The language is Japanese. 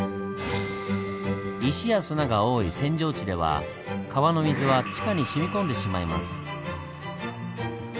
石や砂が多い扇状地では川の水は地下にしみ込んでしまいます。